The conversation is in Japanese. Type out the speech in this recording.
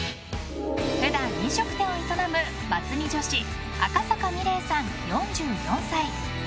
普段、飲食店を営むバツ２女子赤坂美麗さん、４４歳。